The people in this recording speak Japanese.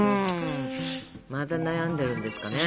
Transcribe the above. また悩んでるんですかね。